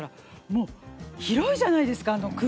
もう広いじゃないですかあの空間が。